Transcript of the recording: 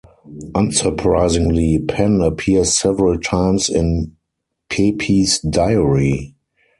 Unsurprisingly, Penn appears several times in Pepys diary.